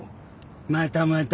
またまた。